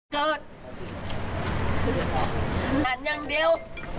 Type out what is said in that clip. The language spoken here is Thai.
เกิดอย่างเดียว